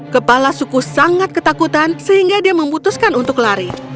kepala suku sangat ketakutan sehingga dia memutuskan untuk lari